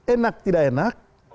enak tidak enak